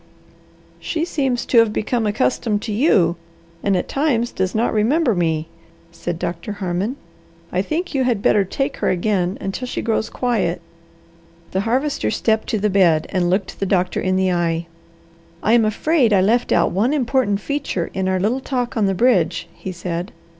"She seems to have become accustomed to you, and at times does not remember me," said Doctor Harmon. "I think you had better take her again until she grows quiet." The Harvester stepped to the bed and looked the doctor in the eye. "I am afraid I left out one important feature in our little talk on the bridge," he said.